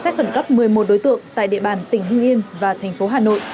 xét khẩn cấp một mươi một đối tượng tại địa bàn tỉnh hưng yên và thành phố hà nội